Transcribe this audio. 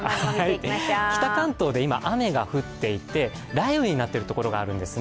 北関東で今、雨が降っていて、雷雨になっているところがあるんです。